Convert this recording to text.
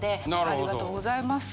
ありがとうございます。